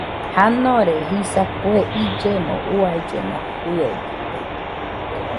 Janore jisa kue illemo uaillena fɨebite